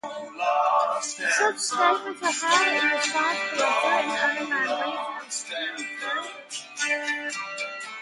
Such statements are highly irresponsible and threaten to undermine regional security further.